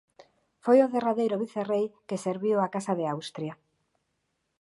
Foi o derradeiro vicerrei que serviu á Casa de Austria.